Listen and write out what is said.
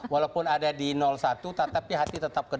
walaupun ada di satu tapi hati tetap ke dua